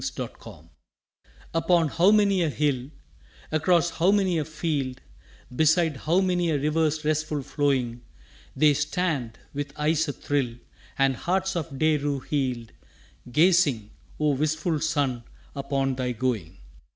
SUNSET LOVERS Upon how many a hill, Across how many a field, Beside how many a river's restful flowing, They stand, with eyes a thrill, And hearts of day rue healed, Gazing, O wistful sun, upon thy going!